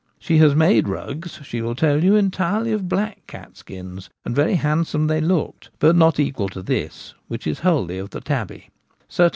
She has made rugs, she will tell you, entirely of black cat skins, and very handsome they looked ; but not equal to this, which is wholly of the tabby.